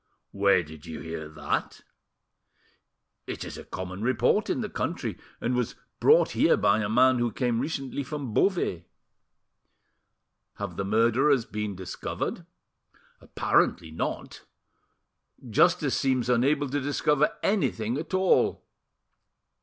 "Where did you hear that?" "It is a common report in the country, and was brought here by a man who came recently from Beauvais." "Have the murderers been discovered?" "Apparently not; justice seems unable to discover anything at all."